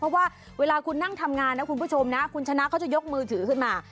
เพราะว่าเวลาคุณนั่งทำงานนะคุณผู้ชมนะคุณชนะเขาจะยกมือถือขึ้นมา